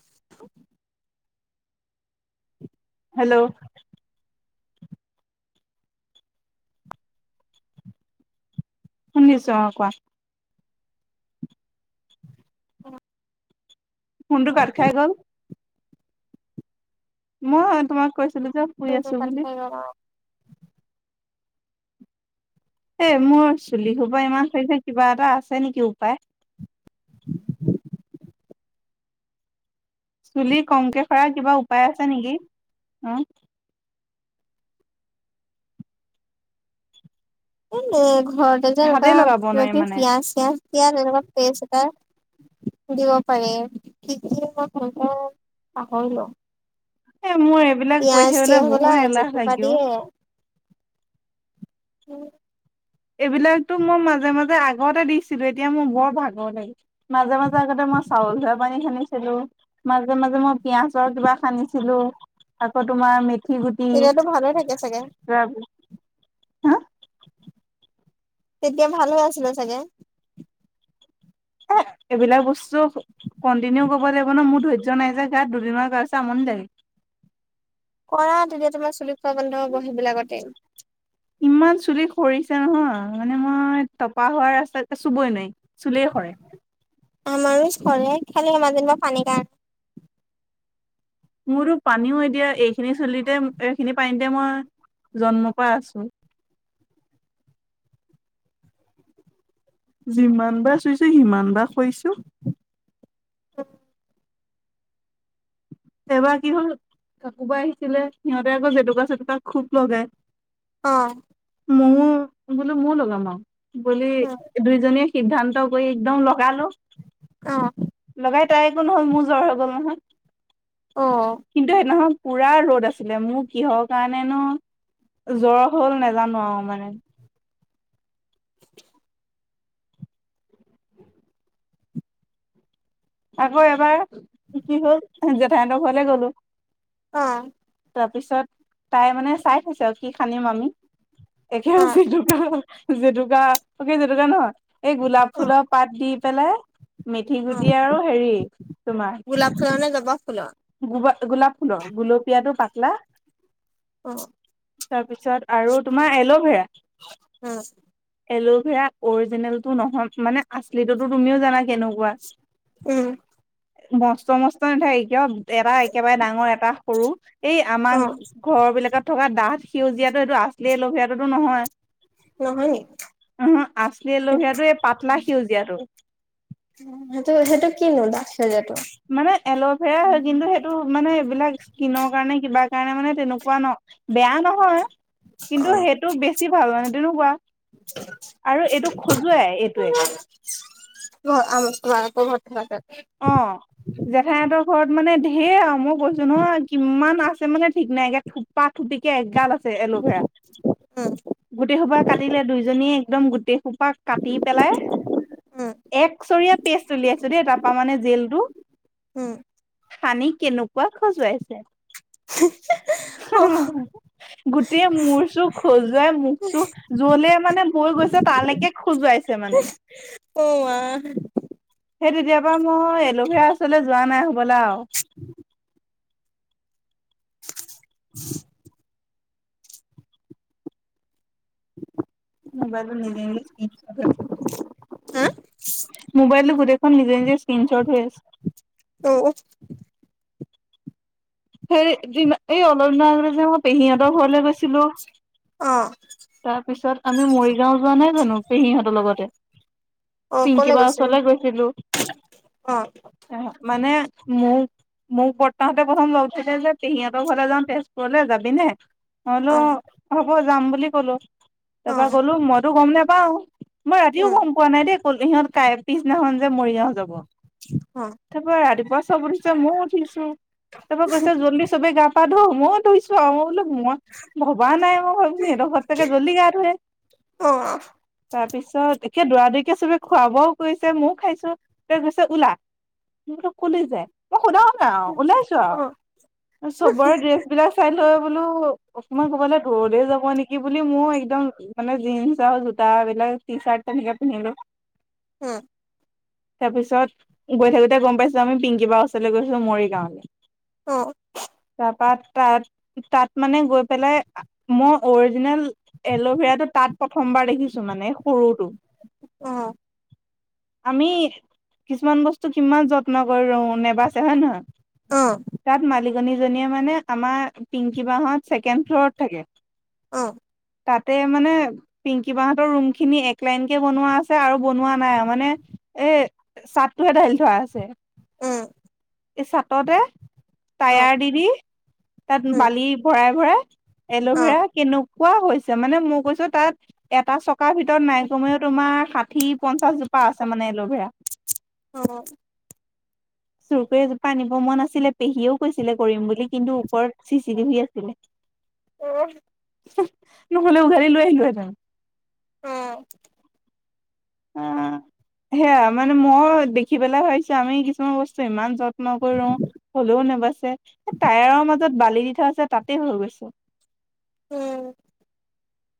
[inaudible] Hello! শুনিছো অঁ, কোৱা। ফোনটো কাট খাই গল। মই তোমাক কৈছিলো যে শুই ফোনটো আছো কাট বুলি খাই গল অঁ। এ মোৰ চুলি সোপা ইমান সৰিছে, কিবা এটা আছে নেকি উপায়? চুলি কমকে সৰা কিবা উপায় আছে নেকি? অঁ। এ ঘৰতে যে হাতে এনেকুৱা লগাব কিবা নোৱাৰি মানে পিয়াজ চিয়াজ পিয়াজ এনেকুৱা পেষ্ট এটা দিব পাৰি, কি কি মই কব পাহৰিলো। এ মোৰ এইবিলাক কৈ পিয়াজ থাকিবলে দিয়ে হবলা বহুত এলাহ জেতুকা লাগে অ দিয়ে। এইবিলাকতো মই মাজে মাজে আগতে দিছিলো এতিয়া মোৰ বৰ ভাগৰ লাগে। মাজে মাজে আগতে মই চাউল ধোৱা পানী সানিছিলো। মাজে মাজে মই পিয়াজৰ কিবা সানিছিলো, আকৌ তোমাৰ মে ঠি গুটি, তেতিয়াতো ভালে থাকে চাগে হা? তেতিয়া ভাল হৈ আছিলে চাগে? এ এইবিলাক বস্তু কণ্টিনিউ কৰিব লাগিব ন মোৰ ধৈৰ্য নাই যে গাত দুদিনৰ কৰাৰ পাছত আমনি লাগে। কৰা তেতিয়া তোমাৰ চুলি সৰা বন্ধ হ'ব সেইবিলাকতে। ইমান চুলি সৰিছে নহয় মানে মই টপা হোৱা ৰাস্তাতে চুবই নোৱাৰি। চুলে সৰে। আমাৰো সৰে খালি আমাৰ যেনিবা পানী কাৰণে। মোৰতো পানীও এতিয়া এইখিনি চলিতে এইখিনি পানীতে মই জন্মৰ পৰা আছো। যিমান বাৰ চুইছো সিমানবাৰ সৰিছে। [inaudible] এবাৰ কি হল কাকোবা আহিছিলে সিহঁতে আকৌ জেতুকা চেতুকা খুব লগাই। অঁ। ময়ো বোলো ময়ো লগাম আৰু বুলি অ দুইজনী সিদ্ধান্ত কৰি একদম লগালো। অ'। লগাই তাই একো নহ'ল মোৰ জ্বৰ হৈ গ'ল নহয়। অ'। কিন্তু সেইদিনাখন পুৰা ৰ'দ আছিলে মোৰ কিহৰ কাৰণে নো জ্বৰ হ'ল নেজানো আৰু মানে। [inaudible] আকৌ এবাৰ কি হ'ল জেঠাইঁতৰ ঘৰলে গ'লো। অ'। তাৰপিছত তাই মানে চাই থৈচে আৰু কি সানিম আমি। একে অ অ জেতুকা জেতুকা অ', কি জেতুকা নহয়। এই গোলাপ অ ফুলৰ পাত দি পেলাই মেথি গুটি আৰু হেৰি তোমাৰ গোলাপ ফুলৰ নে জবা ফুলৰ? গো-গোলাপ ফুলৰ গোলপীয়াটো পাতলা। অ তাৰপিছত আৰু তোমাৰ এল'ভেৰা। উম এল'ভেৰা অৰিজিনেলটো নহয় মানে আচলিতোটো তুমিও জানা। কেনেকুৱা উম মস্ত মস্ত নাথাকে কিয় এটা একেবাৰে ডাঙৰ এটা সৰু এই অ আমাক ঘৰৰ বিলাকত থকা ডাঠ সেউজীয়াটো এইটো আচলি এল'ভেৰাটোতো নহয়। নহয় নি ওহো, আচলি এল'ভেৰাটো এই পাতলা সেউজীয়াটো। উম, সেইটো সেইটো কিনো ডাঠ সেউজীয়াটো? মানে এল'ভেৰা হয় কিন্তু সেইটো মানে এইবিলাক স্কিনৰ কাৰণে কিবা কাৰণে মানে তেনেকুৱা ন বেয়া নহয়। অ কিন্তু সেইটো বেছি ভাল মানে তেনেকুৱা, আৰু এইটো খজুৱাই এইটোৱে। [unintelligible] অ'। জেঠাইহঁতৰ ঘৰত মানে ঢেৰ আৰু মই কৈছো নহয় কিমান আছে মানে ঠিক নাই এতি থোপা থুপিকে এগাল আছে এল'ভেৰা। [inaudible] গোটেই সোপা কাটিলে দুইজনীয়ে একদম গোটেই সোপা কাটি পেলাই উম একচৰিয়া পেষ্ট উলিয়াইছো দেই তাৰাপা মানে জেলটো। উম। পানী কেনেকুৱা খজুৱাইছে। [unintelligible] অহ গোটেই মোৰ চুৰ খজুৱাই মোখ চুখ য'লে মানে বৈ গৈছে তালেকে খজুৱাইছে মানে। অ', আ। সেই তেতিয়াৰ পৰা মই এল'ভেৰা ওচৰলৈ যোৱা নাই হ'বলা আও। [unintelligible] মোবাইলটো নিজে নিজে [unintelligible] হা মোবাইলটো গোটেই নিজে নিজে স্ক্ৰীনশ্বট হৈ আছে। অ'। সে দিনা এই অলপ দিনৰ আগতে যে মই পেহীহঁতৰ ঘৰলৈ গৈছিলো। অ'। তাৰ পিছত আমি মৰিগাঁও যোৱা নাই জানো, পেহীহঁতৰ লগতে। অ কলৈ পিংকিবাৰ গৈছে ওচৰলৈ গৈছিলো। অ অ, মানে মোক মোক বৰতাহতে প্ৰথম লগ ধৰিলে যে, পেহিহঁতৰ ঘৰলৈ যাওঁ তেজপুৰলৈ, যাবি নে? মই বুলু অ হ'ব যাম বুলি ক'লো, অ তাৰপৰা গ'লো, মইতো গম নাপাও। মই ৰাতিও উম গম পোৱা নাই দেই, কল সিহঁত পিছদিনাখন যে মৰিগাও যাব। অ। তাৰ পৰা ৰাতিপুৱা চব উঠিছে, ময়ও উঠিছো, তাৰ পৰা কৈছে জলদি চবেই গা পা ধু, মই ধৈছো আৰু মই বোলো মই ভবা নাই, মই ভাবিছো সিহঁতৰ ঘৰত চাগে, জলদি গা ধুৱে। অ তাৰপিছত একে দৌৰা- দৌৰিকৈ চবে খোৱা-বোৱাও কৰিছে, ময়ো খাইছো, তাৰপিছত কৈছে ওলা। মই বুলো কৈলৈ যায়, মই সোধাও নাই আৰু ওলাইছো অ আৰু, চবৰে ড্ৰেছ বিলাক চাই লৈ বোলো, অকণমান ক' ৰবালে দূৰলৈ যাব নেকি! কি বুলি ময়ো একদম মানে জিন্নছ আৰু জোতা এইবিলাক টিচাৰ্ট তেনেকে পিন্ধিলো। উম। তাৰ পিছত গৈ থাকোতে গম পাইছো, আমি পিংকিব বা ওচৰলৈ গৈছো অ মৰিগাঁৱলৈ। তাৰপা, তাত-তাত মানে গৈ পেলাই মই অজি নেল এল'ভেৰাতটো তাত প্ৰথমবাৰ দেখিছো মানে সৰুটো। অ। আমি কিছুমান বস্তু কিমান যত্ন কৰি ৰো নেবাচে হয় নে নহয়? অ। তাত মালিকনীজনীয়ে মানে আমাৰ পিংকী বাহত ছেকেণ্ড ফ্ল'ৰত থাকে। অ। তাতে মানে পিংকি বাহঁতৰ ৰুম খিনি এক লাইন কে বনোৱা আছে আৰু বনোৱা নাই আৰু মানে এ, চাটটোহে ঢালি থোৱা আছে। উম। এই চাটতে অ টায়াৰ দি- দি, তাত উম বালি ভৰাই- ভৰাই অ এল'ভেৰা কেনেকুৱা হৈছে, মানে মই কৈছো তাত এটা চকাৰ ভিতৰত নাইকমেও তোমাৰ ষাঠি-পঞ্চাশ জোপা আছে মানে এল'ভেৰা। অ। চোৰ কৰি এজোপা নিব মন আছিলে, পেহীয়েও কৈছিলে কৰিম বুলি, কিন্তু ওপৰত চিচি টিভি আছিলে। অ। নহ'লে উঘালি লৈ আহিলোহেতেন। অ। অ, সেয়া মানে মই দেখি পেলাই ভাবিছোঁ, আমি কিছুমান বস্তু ইমান যত যত্ন কৰো হ'লেও নাবাচে, এ টায়াৰৰ মাজত বালি দি থোৱা আছে, তাতে হৈ গৈছে। উম।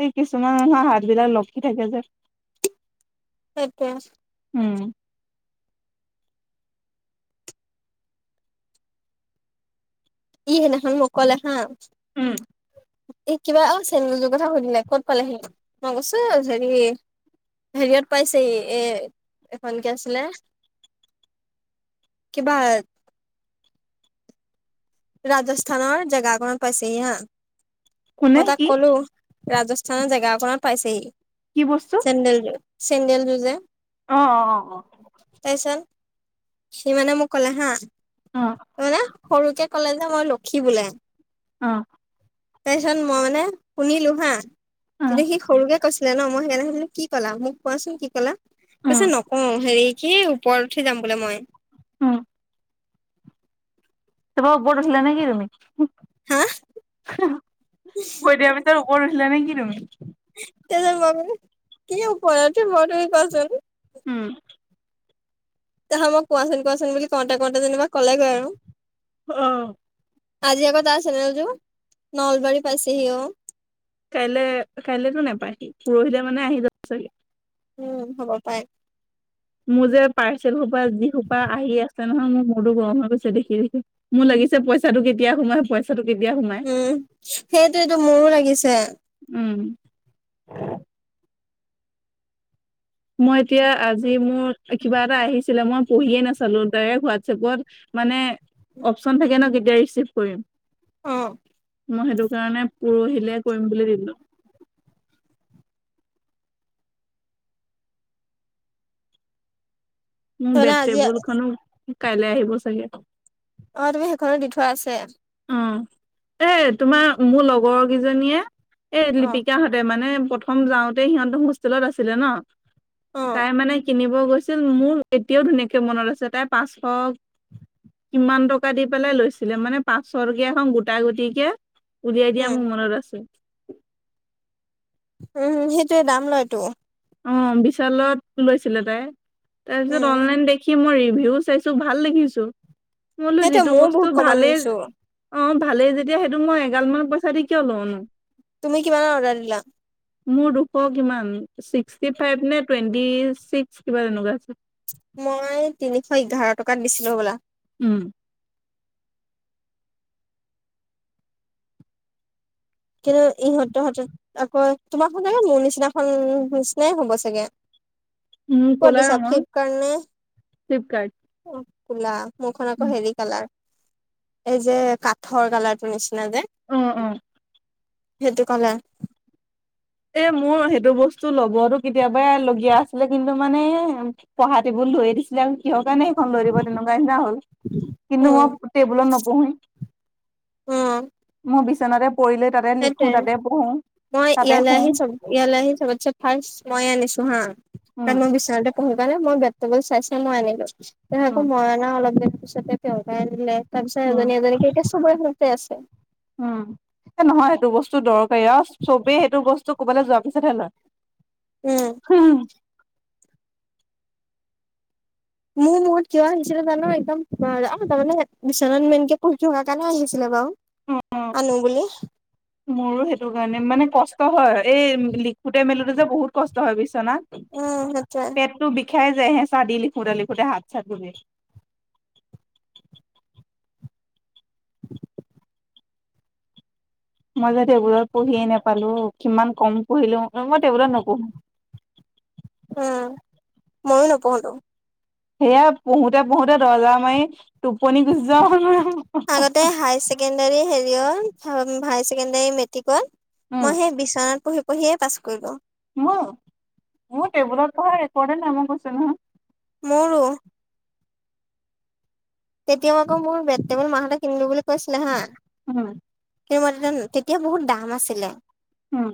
সেই কিছুমান মানুহৰ হাত বিলাক লক্ষী থাকে যে। সেইটোৱে। উম। ই হেদিনাখন মোক ক'লে হা উম। এই কিবা অ, চেণ্ডেলযোৰৰ কথা সুধিলে ক'ত পালে হি, মই কৈছো হেৰি হেৰিয়ত পাইছে হি, এ এখন কি আছিলে? কিবা ৰাজস্থানৰ জেগা গ পাইছে হা, কোনে মই তাক কি ক'লো ৰাজস্থানৰ জেগা অকমান পাইছেহি, কি বস্তু চেণ্ডেল, চেণ্ডেলযোৰ যে অ', অ', অ', অ'। তাৰিছত, সি মানে মোক ক'লে হা অ মানে সৰুকে ক'লে যে মই লক্ষী বোলে। অ'। তাৰপিছত মই মানে শুনিলোঁ হাঁ, অ কিন্তু সি সৰুকে কৈছিল। ছিলে ন মই সেই শুধিলো কি ক'লা, মোক কোৱাচোন কি ক'লা, অ অ সি কৈছে নকওঁ, হেৰি কি ওপৰত উঠি যাম বোলে মই। উম। তপা ওপৰত উঠিলা নে কি তুমি, হা কৈ দিয়া ওপৰত উঠিলা নে কি তুমি? তাৰপিছত মই বোলো কি ওপৰত উঠিম, তুমি কোৱাচোন? উম। তাইছত মই কোৱাচোন- কোৱাচোন বুলি কওঁতে কওঁতে যেনিবা কলেগৈ আৰু অ'। আজি আকৌ তাৰ চেনেল যোৰ নলবাৰী পাইছেহি অ'। কাইলৈ, কাইলেতো নাপায়হি, পৰহিলে মানে আহি যাব চাগে। উম হ'ব পাৰে। মোৰ যে পাৰ্চেল সোপা যি সোপা আহি আছে নহয়, মোৰ মূৰতো গৰম হৈ গৈছে দেখি দেখি। মোৰ লাগিছে পইচাটো কেতিয়া সোমাই, পইচা কেতিয়া সোমাই উম, সেইটোটো মোৰো লাগিছে। উম। মই এতিয়া, আজি মোৰ, কিবা এটা আহিছ ছিলে মই পঢ়িয়ে নাচালো, ডাইৰে্ট হোৱাটছএপত মানে অপচন থাকে ন কেতিয়া ৰিচিভ কৰিম? অ'। মই সেইটো কাৰণে পৰহিলে কৰিম বুলি দিলোঁ। মোৰ তাৰমানে বেড আজি টেবুল খনো কাইলে আহিব চাগে। অ', তুমি সেইখনো দি থোৱা আছে। অ', এ তোমাৰ, মোৰ লগৰ কেইজনীয়ে এ অ লিপিকা মানে প্ৰথম যাওঁতে সিহঁতটো হোষ্টেলত আছিলে ন, অ তাই মানে কিনিব গৈছিল আছিল, মোৰ এতিয়াও ধুনীয়াকে মনত আছে, তাই পাঁচশ কিমান টকা দি পেলাই লৈছিলে মানে পাছৰকে এখন গোটা গুটি কে উলিয়াই দিয়া উম মোৰ মনত আছে। উম, সেইটোয়ে, দাম লয়টো অ', বিশালত লৈছিলে তাই, তাৰপিছত উম অনলাইন দেখি মই ৰিভিউ চাই ভাল দেখিছোঁ, মই বোলো সেইটোৱে যিটো ময়ো বহুত বস্তু কমত ভালেই আনিছো অ', ভালেই যেতিয়া, সেইটো মই এগাল মান পইচা দি কিয় লওঁনো? তুমি কিমানত অৰ্ডাৰ দিলা? মোৰ দুশ কিমান, ছিক্সটি ফাইভ নে টুৱেন্টি ছিক্স কিবা তেনেকুৱা মই তিনিশ এঘাৰ টকাত দিছিলোঁ হ'বলা। উম। কিন্তু ইহঁতৰ সঁতত আকৌ তোমাক চাগে মোৰ নিচিনাখন নিচিনাই হ'ব চাগে উম কত কলা দিছা ৰঙৰ ফিলিপকাৰ্ড নে? ফ্লিপকাৰ্ট অঁ কোলা মোৰখন আকৌ হেৰি কালাৰ এই যে কাঠৰ কালাৰটোৰ নিচিনা যে অঁ সেইটো কালাৰ। এ মোৰ সেইটো বস্তু ল'বতো কেতিয়াবা লগীয়া আছিলে, কিন্তু মানে পঢ়া টেবুল ধৰিয়ে দিছিলে আৰু কিহৰ কাৰণে সেইখন লৈ দিব তেনেকুৱা নিচিনা হ'ল। উম কিন্তু মই টেবুলত নপঢ়োয়েই, উম মই বিচনাতে পৰিলে তাতে লিখো সেইটোয়ে তাতে পঢ়ো মই তাতে শু ইয়ালৈ আহি চবত ইয়ালে আহি চবতছে ফাৰ্ষ্ট মই আনিছো হা, কাৰণ উম মই বিশ ছনাতে পঢ়ো কাৰণে মই বেত কবল চাই ছাই মই আনিলো ত আকৌ উম মই অনা অলপ দিন পিছতে আনিলে তাৰপিছত উম এজনী এজনীক এতিয়া চবৰে ঘৰতে আছে। উম এ নহয় সেইটো বস্তু দৰকাৰী আৰু চবেই সেইটো বস্তু ক'বালৈ যোৱাৰ পিছতহে লয়। [inaudible] উম মোৰ মূৰত কিয় আনিছিলে জানো একদম তাৰমানে বিচনত মেনকে পঢ়ি থকা কাৰণে আনিছিলে বাও। উম আনো বুলি। মোৰো সেইটো কাৰণে মানে কষ্ট হয়, এই লিখোতে মেলোতে যে বহুত কষ্ট হয় বিচনাত। উম সেইটোয়ে পেটতটো বিষাই যায় হেচাহ দি লিখোতে লিখোতে হাত চাত বুলি মই যে টেবুলত পঢ়িয়ে নাপালো কিমান কম পঢ়িলো মই টেবুলত নপঢ়ো। উম, ময়ো নপঢ়ো ত। সেয়া পঢ়োতে পঢ়োতে দৰ্জা মাৰি টোপনি গুচি যাওঁ। কেন্দেৰি হেৰীয়ত হা হাইছেকেণ্ডাৰী মেট্ৰিকত উম মই সেই বিছনাত প ঢ়িয়ে পাছ কৰিলো। মোৰ মোৰ টেবুলত পঢ়া ৰেকৰ্ডে নাই মই কৈছোঁ নহয়। মোৰো তেতিয়াও আকৌ মোৰ বেড টেবুল মা হতে এটা কিনিলো বুলি কৈছিলে হা উম তেমইতেন তেতিয়া বহুত দাম আছিলে। উম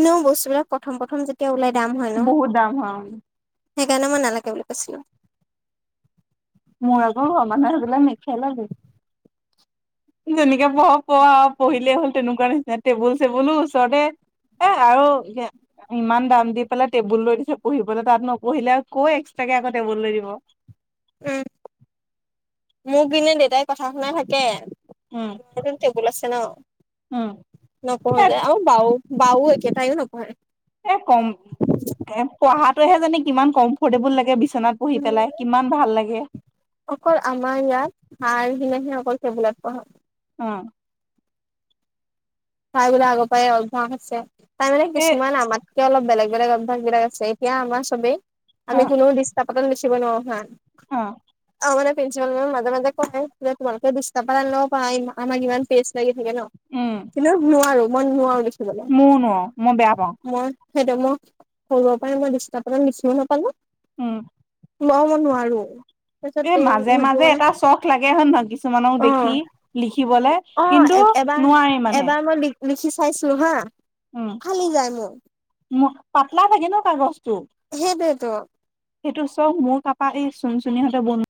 ইনোও বস্তুবিলাক প্ৰথম প্ৰথম যেতিয়া ওলাই দাম হয় ন। বহুত দাম হয় সেইকাৰণে মই নালাগে বুলি কৈছিলো। মোৰ আকৌ ঘৰমানুহে সেইবিলাক যেনেকে পঢ় পঢ় আও পঢ়িলেই হ'ল, তেনেকুৱা নিচিনা টেবুল চেবুলো ওচৰতে। এ আৰু ইমান দাম দি পেলাই টেবুল লৈ দিছে, পঢ়িবলৈ তাত নপঢ়িলে আকৌ এক্সট্ৰাকে আকৌ টেবুল লৈ দিব। উম, মোক দিনে দেউতাই কথা শুনাই থাকে। উম তে টেবুল আছে ন। উম নকওঁ এ দে আ বাউ বাউ একে তাইও নপঢ়ে। এ কম এ পঢ়টোহে জানি কিমান কমফৰ্টেবল লাগে, বি ছনাত পঢ়ি উম পেলাই কিমান ভাল লাগে। অকল আমাৰ ইয়াত বাৰখনেহে অকল টেবুলত পঢ়া অঁ তাই বোলে আগৰ পৰাই অভ্যাস আছে। তাই মানে এ কিছুমান আমাত তকে অলপ বেলেগ বেলেগ অভ্যাসবিলাক আছে। এতিয়া আমাৰ চবেই, অ আমি কোনো দীস্তা পাতত লিখিব নোৱাৰোঁ হা অ'। অ', মানে প্ৰিঞ্চিপাল মে'মে মাজে মাজে কয়, যে তোমালোকে দীস্তা পাত আনি ল'ব পৰা, ইমা-আমাক ইমান পেজ লাগি থাকে ন'? উম। কিন্তু নোৱাৰোঁ, মই নোৱাৰোঁ লিখিবলৈ। মোৰ নোৱাৰো মই বেয়া পাওঁ মই সেইটোয়ে, মই সৰুৰ পৰাই মই দীস্তা পাতত লিখিয়ে নাপালোঁ। উম। [unintelligible] নোৱাৰোঁ। এ মাজে মাজে এটা চখ লাগে হয় নহয়! কিছুমানক অ দেখি। লিখিবলে, অ কিন্তু এবাৰ নোৱাৰি মানে। এবাৰ মই লি-লিখি চাইছোঁ হা, ফালি যায় মোৰ। মো-পাতলা থাকে ন' কাগজটো! সেইটোয়েটো। সেইটো চখ মোৰ তাপা এই চুনচুনিহঁতে বন